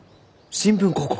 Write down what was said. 新聞広告？